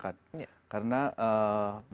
karena bisnis kita itu bisnis yang bagus